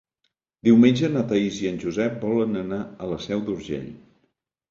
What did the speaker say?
Diumenge na Thaís i en Josep volen anar a la Seu d'Urgell.